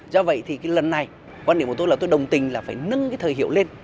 do vậy thì lần này quan điểm của tôi là tôi đồng tình là phải nâng thời hiệu lên